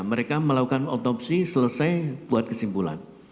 mereka melakukan otopsi selesai buat kesimpulan